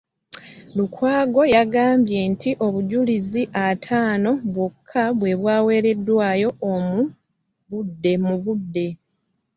Lukwago yagambye nti obujulizi ataano bwokka obwaweereddwayo mu budde